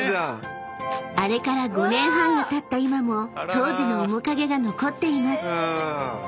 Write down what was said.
［あれから５年半がたった今も当時の面影が残っています］